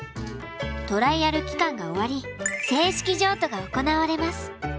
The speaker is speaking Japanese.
トライアル期間が終わり正式譲渡が行われます。